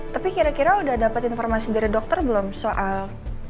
tapi kira kira udah dapat informasi dari dokter belum soal